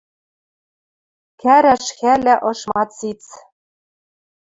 Кӓрӓш хӓлӓ ышма циц